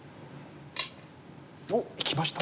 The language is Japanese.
おっ！いきました。